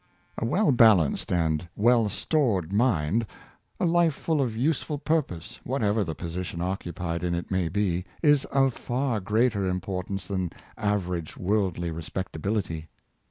A well balanced and well stored mind, a life full of useful purpose, what ever the position occupied in it may be, is of far greater importance than average worldly respectability.